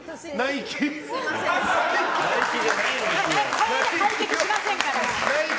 これじゃ解決しませんから。